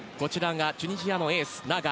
チュニジアのエース、ナガ。